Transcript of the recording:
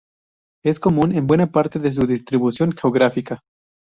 Es común en buena parte de su distribución geográfica.